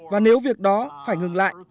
và nếu việc đó phải ngừng lại